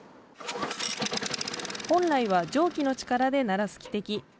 本来は蒸気の力で鳴らす汽笛。